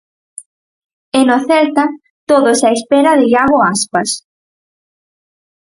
E no Celta, todos á espera de Iago Aspas.